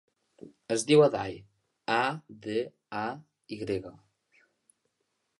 Es diu Aday: a, de, a, i grega.